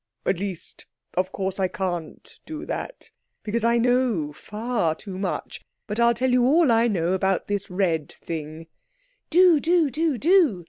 At least, of course I can't do that, because I know far too much. But I'll tell you all I know about this red thing." "Do! Do! Do! Do!"